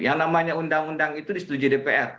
yang namanya undang undang itu disetujui dpr